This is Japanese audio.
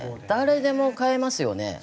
誰でも買えますよね。